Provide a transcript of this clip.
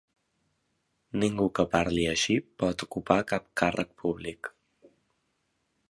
Ningú que parli així pot ocupar cap càrrec públic.